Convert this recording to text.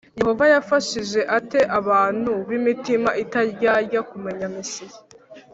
Yehova yafashije ate abantu b imitima itaryarya kumenya Mesiya